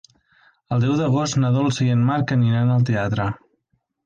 El deu d'agost na Dolça i en Marc aniran al teatre.